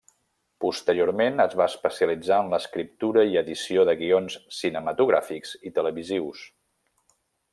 Posteriorment, es va especialitzar en l'escriptura i edició de guions cinematogràfics i televisius.